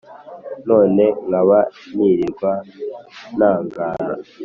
none nkaba nirirwa nangara